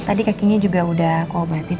tadi kakinya juga udah kau obatin